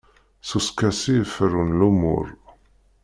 S uskasi i ferrun lumuṛ.